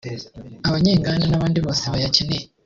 abanyenganda n’abandi bose bayakeneye